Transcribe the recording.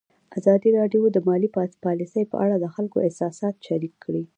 ازادي راډیو د مالي پالیسي په اړه د خلکو احساسات شریک کړي.